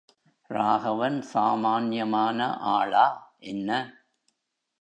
ராகவன் சாமான்யமான ஆளா, என்ன?